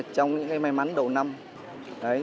con nghe lời mẹ